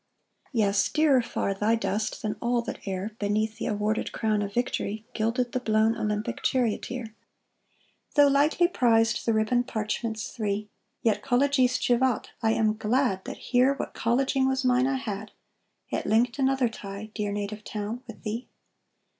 Yes, dearer far thy dust than all that e'er, Beneath the awarded crown of victory, Gilded the blown Olympic charioteer; Though lightly prized the ribboned parchments three, Yet collegisse juvat, I am glad That here what colleging was mine I had, It linked another tie, dear native town, with thee!